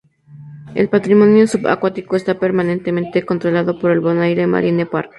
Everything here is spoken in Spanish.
El patrimonio subacuático está permanentemente controlado por el Bonaire Marine Park.